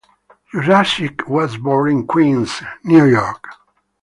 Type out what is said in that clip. Jurasik was born in Queens, New York.